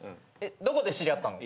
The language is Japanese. どこで知り合ったの？